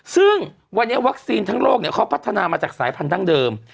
ซึ่งวันนี้วัคซีนทั้งโลกเขาพัฒนามาจากสายพันธั้งเดิม